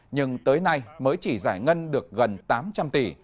nhưng tới nay mới chỉ giải ngân được gần tám trăm linh tỷ